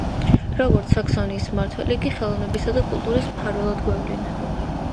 როგორც საქსონიის მმართველი, იგი ხელოვნებისა და კულტურის მფარველად გვევლინება.